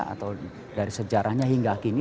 atau dari sejarahnya hingga kini